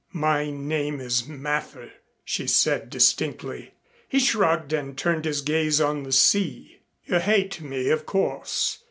"My name is Mather," she said distinctly. He shrugged and turned his gaze on the sea. "You hate me, of course.